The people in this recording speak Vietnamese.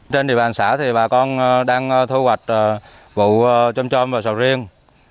trên địa bàn xã thì bà con đang thu hoạch vụ trôm trôm và sầu riêng